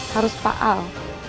harus pak al